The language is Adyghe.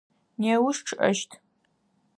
Неущ чъыӏэщт.